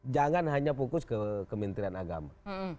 jangan hanya fokus ke kementerian agama